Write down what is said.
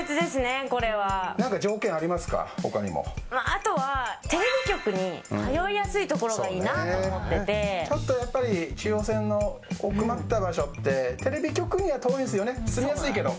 あとは、テレビ局に通いやすいところがいいなとちょっと、やっぱり中央線の奥まった場所ってテレビ局には遠いんですよね住みやすいけど。